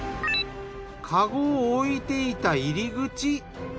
カゴを置いていた入り口。